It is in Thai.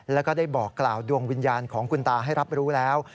แล้วก็ได้บอกกล่าวดวงวิญญาณของคุณตาให้รับรู้แล้ว